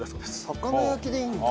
魚焼きでいいんだ。